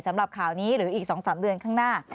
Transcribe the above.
สำหรับข่าวนี้หรืออีก๒๓เดือนข้างหน้า